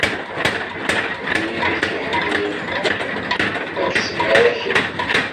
Wid i k-iḥemmlen ad k-ttbaraken.